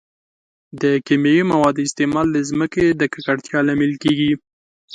د کیمیاوي موادو استعمال د ځمکې د ککړتیا لامل کیږي.